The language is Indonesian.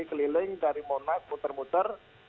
keliling dari monas muter muter